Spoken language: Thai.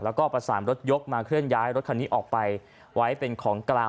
แล้วก็ประสานรถยกมาเคลื่อนย้ายรถคันนี้ออกไปไว้เป็นของกลาง